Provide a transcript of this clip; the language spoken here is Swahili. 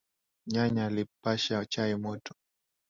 Nyanya alipasha chai moto